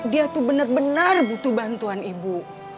dia tuh benar benar butuh bantuan ibu